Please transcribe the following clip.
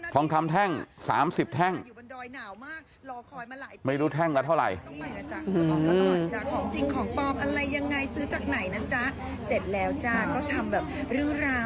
ทองคำแท่ง๓๐แท่งไม่รู้แท่งแล้วเท่าไหร่